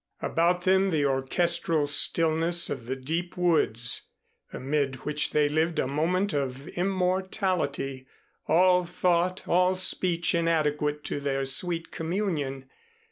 About them the orchestral stillness of the deep woods, amid which they lived a moment of immortality, all thought, all speech inadequate to their sweet communion.